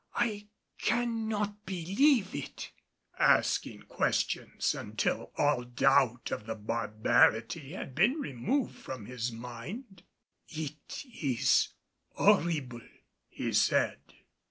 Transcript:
I cannot believe it!" asking questions until all doubt of the barbarity had been removed from his mind. "It is horrible!" he said.